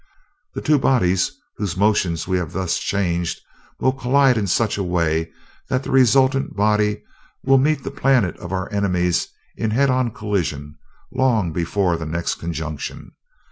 The two bodies whose motions we have thus changed will collide in such a way that the resultant body will meet the planet of our enemies in head on collision, long before the next conjunction.